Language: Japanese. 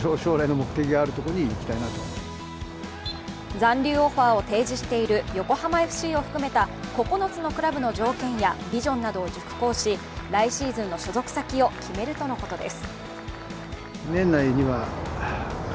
残留オファーを提示している横浜ＦＣを含めた９つのクラブの条件やビジョンなどを熟考し来シーズンの所属先を決めるとのことです。